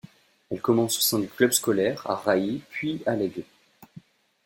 Elle commence au sein des clubs scolaires, à Rai puis à L'Aigle.